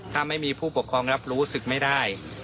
ถ้าไม่มีผู้ปกครองรับรู้สึกไม่ได้